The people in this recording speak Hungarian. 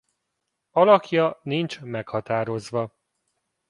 Alakja nincs meghatározva.